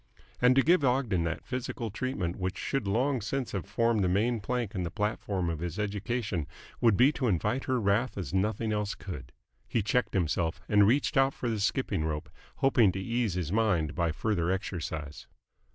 And to give Ogden that physical treatment which should long since have formed the main plank in the platform of his education would be to invite her wrath as nothing else could. He checked himself, and reached out for the skipping rope, hoping to ease his mind by further exercise.